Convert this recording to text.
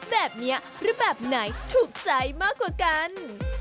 แบบนี้รูปแบบไหนถูกใจมากกว่ากัน